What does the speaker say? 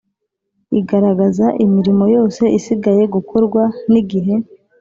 igaragaza imirimo yose isigaye gukorwa n igihe